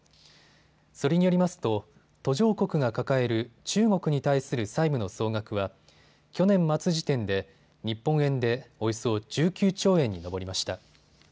それによりますと途上国が抱える中国に対する債務の総額は去年末時点で日本円でおよそ１９兆円に上りました。